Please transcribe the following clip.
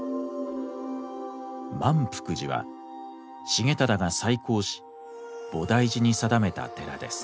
満福寺は重忠が再興し菩提寺に定めた寺です。